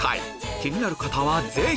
気になる方はぜひ！